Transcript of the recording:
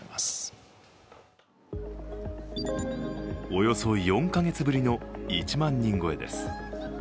およそ４カ月ぶりの１万人超えです。